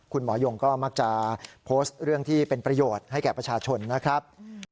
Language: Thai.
คุณหมอยงก็มักจะโพสต์เรื่องที่เป็นประโยชน์ให้แก่ประชาชนนะครับ